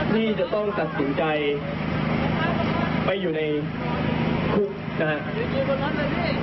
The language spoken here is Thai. ที่จะต้องตัดสินใจไปอยู่ในคุกนะครับ